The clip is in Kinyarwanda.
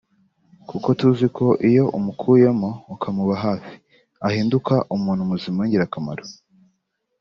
kuko tuzi ko iyo umukuyemo ukamuba hafi ahinduka umuntu muzima w’ingirakamaro